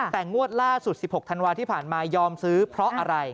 แต่งวดล่าสุด๑๖ธันวาที่ผ่านมายอมซื้อเพราะอะไร